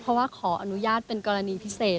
เพราะว่าขออนุญาตเป็นกรณีพิเศษ